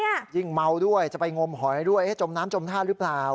ยิ่งเมาด้วยจะไปงมหอยด้วยเอ๊ะจมน้ำจมท่าหรือเปล่า